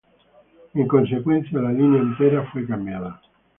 En consecuencia, la línea entera fue cambiada.